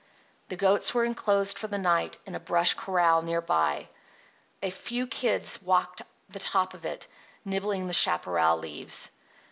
The goats were enclosed for the night in a brush corral near by. A few kids walked the top of it, nibbling the chaparral leaves.